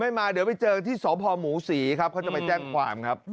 มาเดี๋ยวไปเจอที่สพหมูศรีครับเขาจะไปแจ้งความครับ